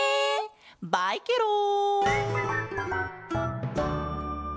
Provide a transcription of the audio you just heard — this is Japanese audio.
バイケロン！